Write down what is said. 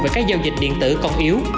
về các giao dịch điện tử còn yếu